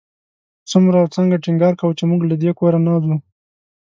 څومره او څنګه ټینګار کاوه چې موږ له دې کوره نه ځو.